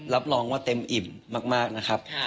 รับรองว่าเต็มอิ่มมากนะครับ